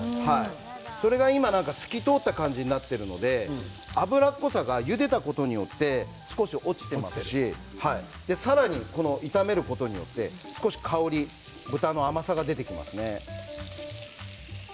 それが透き通った感じになっているので油っぽさがゆでたことによって少し落ちていますしさらに炒めることによって香り、豚の甘さが出ています。